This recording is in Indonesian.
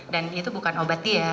dan itu bukan obat dia